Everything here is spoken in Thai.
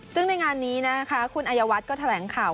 ซึ่งในงานนี้นะคะคุณอายวัฒน์ก็แถลงข่าว